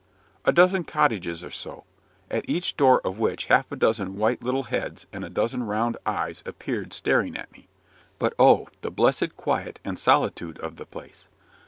"A dozen cottages or so, at each door of which half a dozen white little heads and a dozen round eyes appeared staring at me. But oh, the blessed quiet and solitude of the place!